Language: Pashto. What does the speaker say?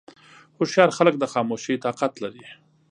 هوښیار خلک د خاموشۍ طاقت لري.